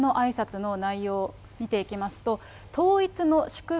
１月３日のあいさつの内容見ていきますと、統一の祝福